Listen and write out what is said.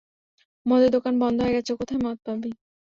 মদের দোকান বন্ধ হয়ে গেছে, কোথায় মদ পাবি?